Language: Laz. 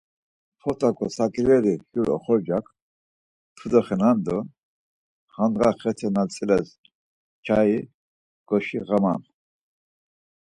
Fot̆a godzoǩoreri jur oxorcak, tude xenan do handğa xete na'tziles çai goşiğaman.